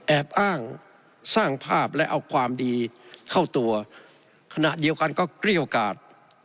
แอบอ้างสร้างภาพและเอาความดีเข้าตัวขณะเดียวกันก็เกรี้ยวกาศ